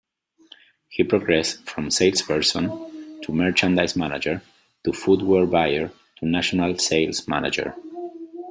He progressed from salesperson, to merchandise manager, to footwear buyer, to national sales manager.